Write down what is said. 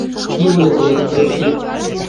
ঠিকই বলেছিলিস, এটা তোর শিপ।